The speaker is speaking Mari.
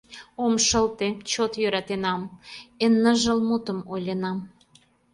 Ом шылте, чот йӧратенам, Эн ныжыл мутым ойленам.